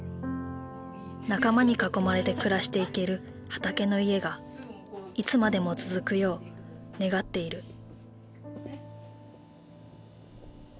仲間に囲まれて暮らしていけるはたけのいえがいつまでも続くよう願っている。